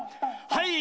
はい！